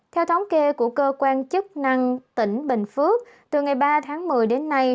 theo thống kê của cơ quan chức năng tỉnh bình phước từ ngày ba tháng một mươi đến nay